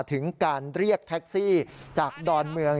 ถึงการเรียกแท็กซี่จากดอนเมือง